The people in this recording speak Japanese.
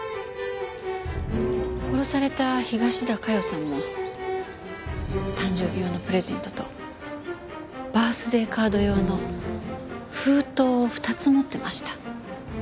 殺された東田加代さんも誕生日用のプレゼントとバースデーカード用の封筒を２つ持ってました。